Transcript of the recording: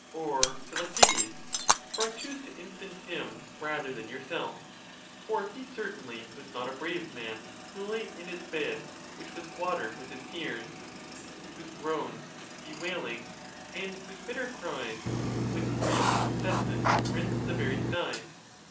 or Philoctetes? for I choose to in stance him, rather than yourself, for he certainly was not ON BEARING PAIN. 77 a brave man, who lay in his bed, which was watered with his tears, Whose groans, bewailings, and whose bitter cries, With grief incessant rent the very skies.